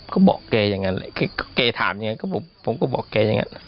ก็บอกแกอย่างนั้นแหละแกถามยังไงก็ผมก็บอกแกอย่างนั้น